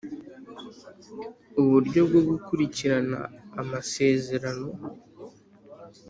Uburyo bwo gukurikirana amasezerano